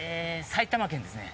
埼玉県ですね。